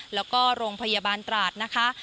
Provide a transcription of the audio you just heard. แล้วก็โรงพยาบาลตราดนะคะ